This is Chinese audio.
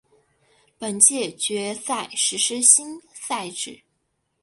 本届决赛实施新赛制。